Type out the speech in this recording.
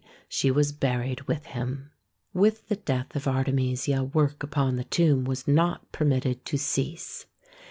she was buried with him. With the death of Artemisia work upon the tomb was not permitted to cease.